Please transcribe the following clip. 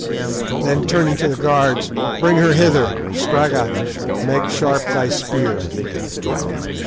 Then turning to the guards—"Bring her hither; Scragga, make sharp thy spear."